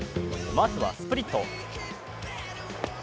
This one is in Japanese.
まずは、スプリット。